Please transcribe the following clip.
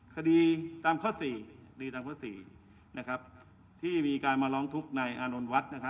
คดีตามข้อ๔ที่มีการมาร้องทุกข์ในอานนท์วัสด์